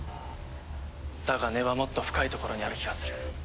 だが根はもっと深いところにある気がする。